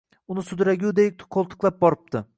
Uni sudraguday qo‘ltiqlab boribdi